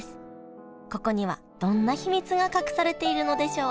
ここにはどんな秘密が隠されているのでしょう？